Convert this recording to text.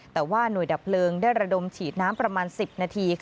แต่ว่าหน่วยดับเพลิงได้ระดมฉีดน้ำประมาณ๑๐นาที